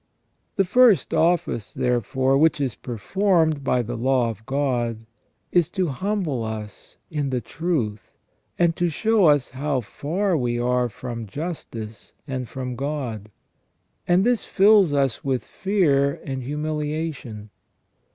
The first office, therefore, which is performed by the law of God, is to humble us in the truth, and to show us how far we are from justice and from God ; and this fills us with fear and humiliation.